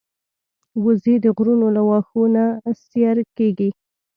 وزې د غرونو له واښو نه سیر کېږي